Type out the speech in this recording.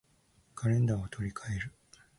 カレンダーを取り換える